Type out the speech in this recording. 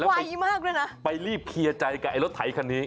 ไวมากด้วยนะไปรีบเคลียร์ใจกับไอ้รถไถคันนี้